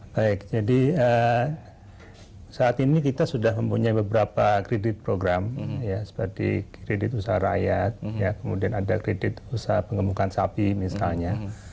baik jadi saat ini kita sudah mempunyai beberapa kredit program ya seperti kredit usaha rakyat kemudian ada kredit usaha pengemukan sapi misalnya